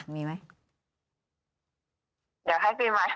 มีไหมคะ